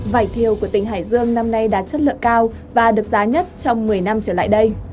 vải thiều của tỉnh hải dương năm nay đạt chất lượng cao và được giá nhất trong một mươi năm trở lại đây